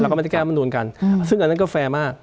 ก็ไม่ได้แก้มนุนกันซึ่งอันนั้นก็แฟร์มาก